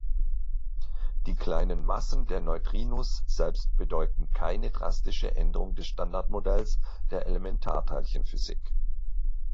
Die kleinen Massen der Neutrinos selbst bedeuten keine drastische Änderung des Standardmodells der Elementarteilchenphysik.